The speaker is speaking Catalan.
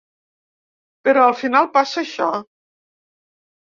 Però al final passa això.